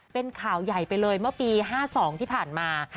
เป็นข่าวใหญ่ไปเลยเมื่อปี๕๒ที่ผ่านมา